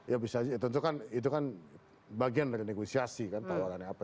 ya bisa tentu kan itu kan bagian dari negosiasi kan tawarannya apa